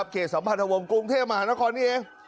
สัมพันธวงศ์กรุงเทพมหานครนี่เอง